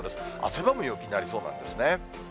汗ばむ陽気になりそうなんですね。